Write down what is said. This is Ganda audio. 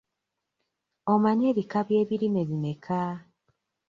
Omanyi ebika by'ebirime bimeka?